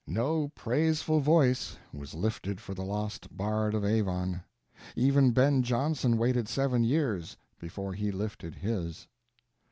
No praiseful voice was lifted for the lost Bard of Avon; even Ben Jonson waited seven years before he lifted his.